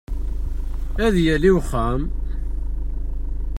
Ad yali wexxam!